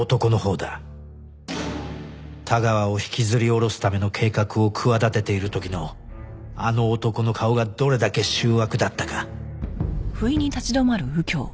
田川を引きずり下ろすための計画を企てている時のあの男の顔がどれだけ醜悪だったか